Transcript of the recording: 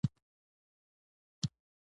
دا وطن افغانستان دی